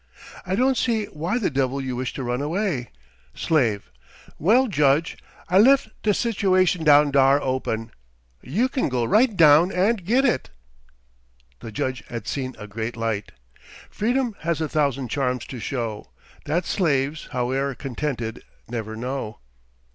I don't see why the devil you wished to run away." Slave: "Well, Judge, I lef de situation down dar open. You kin go rite down and git it." The Judge had seen a great light. "Freedom has a thousand charms to show, That slaves, howe'er contented, never know."